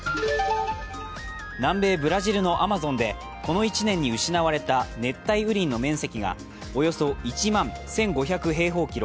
南米ブラジルのアマゾンで、この１年に失われた熱帯雨林の面積がおよそ１万１５００平方キロ